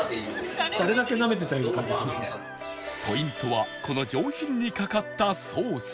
ポイントはこの上品にかかったソース